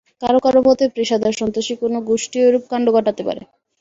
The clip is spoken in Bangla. কারও কারও মতে, পেশাদার সন্ত্রাসী কোনো গোষ্ঠীও এরূপ কাণ্ড ঘটাতে পারে।